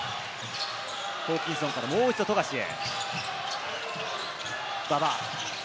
ホーキンソンからもう一度、富樫へ。